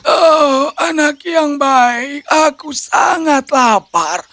oh anak yang baik aku sangat lapar